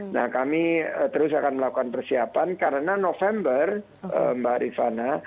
nah kami terus akan melakukan persiapan karena november mbak rifana